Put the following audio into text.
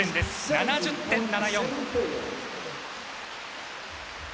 ７０．７４。